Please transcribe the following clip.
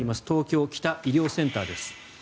東京北医療センターです。